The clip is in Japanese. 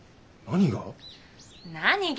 何が？